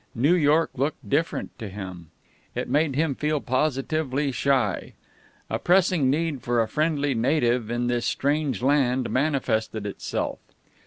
New York looked different to him. It made him feel positively shy. A pressing need for a friendly native in this strange land manifested itself.